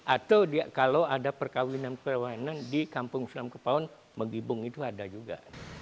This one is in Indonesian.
atau kalau ada perkawinan perwainan di kampung islam kepaun megibung itu ada juga